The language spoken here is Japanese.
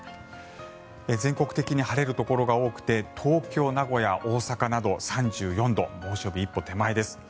全国的に晴れるところが多くて東京、名古屋、大阪など３４度猛暑日一歩手前です。